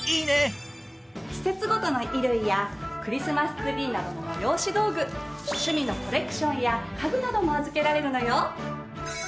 季節ごとの衣類やクリスマスツリーなどの催し道具趣味のコレクションや家具なども預けられるのよ。